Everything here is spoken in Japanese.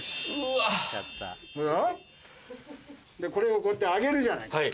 これをこうやって上げるじゃない。